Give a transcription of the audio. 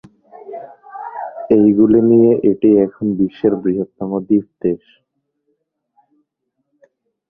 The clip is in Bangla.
এইগুলি নিয়ে এটি এখন বিশ্বের বৃহত্তম দ্বীপ দেশ।